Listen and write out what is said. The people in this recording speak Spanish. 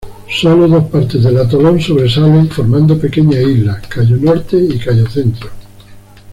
Sólo dos partes del atolón sobresalen formando pequeñas islas Cayo Norte y Cayo Centro.